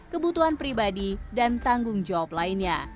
kebutuhan pribadi dan tanggung jawab lainnya